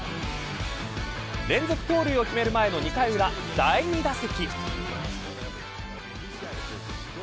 連続盗塁を決める前の２回裏、第２打席。